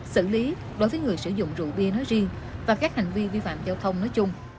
xử lý đối với người sử dụng rượu bia nói riêng và các hành vi vi phạm giao thông nói chung